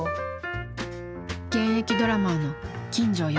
現役ドラマーの金城吉雄さん。